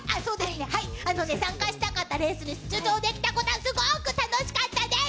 参加したかったレースに出場できてすごく楽しかったです。